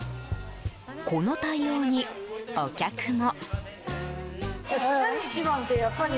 この対応に、お客も。